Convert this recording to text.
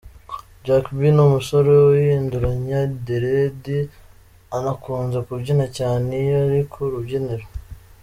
Jack B ni umusore uhinduranya deredi unakunze kubyina cyane iyo ari ku rubyiniro.